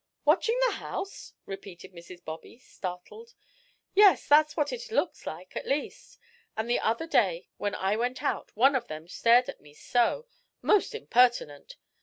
"Watching the house?" repeated Mrs. Bobby, startled. "Yes, that's what it looks like, at least. And the other day, when I went out, one of them stared at me so most impertinent.